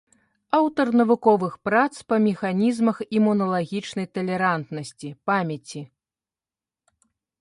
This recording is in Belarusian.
Аўтар навуковых прац па механізмах імуналагічнай талерантнасці, памяці.